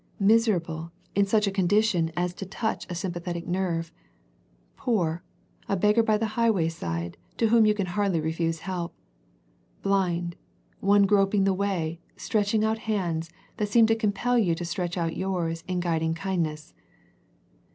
" Mis erable," in such a condition as to touch a sym 202 A First Century Message pathetic nature. "Poor," a beggar by the highway side, to whom you can hardly refuse help. Blind," one groping the way, stretch ing out hands, that seem to compel you to stretch out yours in guiding kindness.